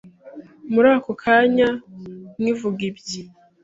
Muri ako kanya nkivuga ibye